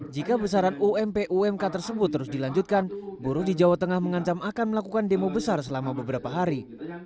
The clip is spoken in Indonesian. jika besaran ump umk tersebut terus dilanjutkan buruh di jawa tengah mengancam akan melakukan demo besar selama beberapa hari